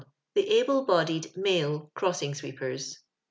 The Abue Bodied Male Cbossino sweepebs.